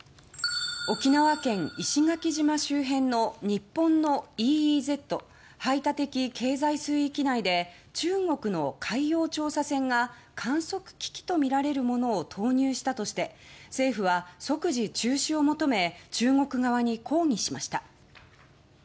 沖縄県石垣島周辺の日本のＥＥＺ・排他的経済水域内で中国の海洋調査船が観測機器とみられるものを投入したとして政府は即時中止を求め中国側に抗議しました。